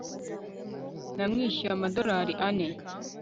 namwishyuye amadorari ane